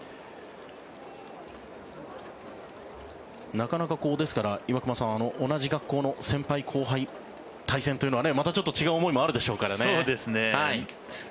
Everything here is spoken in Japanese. なかなか、ですから岩隈さん同じ学校の先輩後輩の対戦というのはまたちょっと違う思いというのもあるでしょうからね。